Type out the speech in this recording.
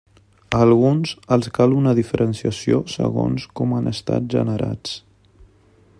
A alguns els cal una diferenciació segons com han estat generats.